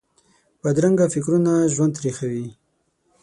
بدرنګه فکرونه ژوند تریخوي